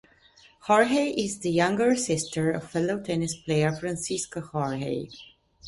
Jorge is the younger sister of fellow tennis player Francisca Jorge.